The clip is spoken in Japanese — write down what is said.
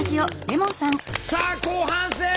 さあ後半戦！